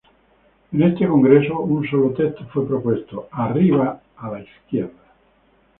En este congreso, un solo texto fue propuesto: "Arriba a la izquierda".